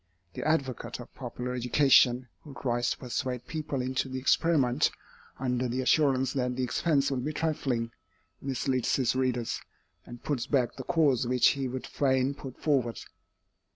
The advocate of popular education, who tries to persuade people into the experiment, under the assurance that the expense will be trifling, misleads his readers, and puts back the cause which he would fain put forward.